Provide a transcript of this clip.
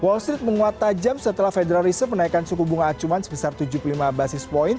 wall street menguat tajam setelah federal reserve menaikkan suku bunga acuan sebesar tujuh puluh lima basis point